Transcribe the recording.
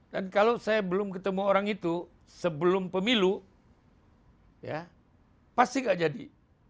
dan kalau saya belum ketemu orang itu sebelum pemilu ya pasti gak jadi